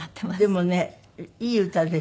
でもねいい歌ですね